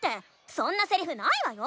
そんなセリフないわよ！